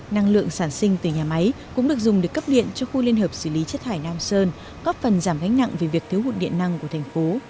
năng lượng sản sinh từ nhà máy cũng được dùng để cấp điện cho khu liên hợp xử lý chất thải nam sơn góp phần giảm gánh nặng về việc thiếu hụt điện năng của thành phố